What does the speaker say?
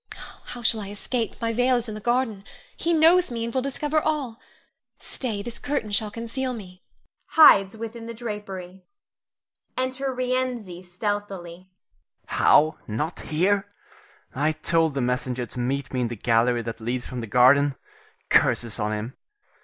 How shall I escape, my veil is in the garden! He knows me and will discover all. Stay! this curtain shall conceal me [hides within the drapery]. [Enter Rienzi stealthily. Rienzi. How! not here? I told the messenger to meet me in the gallery that leads from the garden. Curses on him!